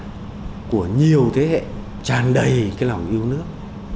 nó là một bài thơ của nhiều thế hệ tràn đầy lòng yêu nước